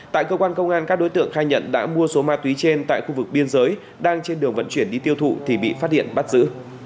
tại cơ quan công an các đối tượng khai nhận đã mua số ma túy trên tại khu vực biên giới đang trên đường vận chuyển đi tiêu thụ thì bị phát hiện bắt giữ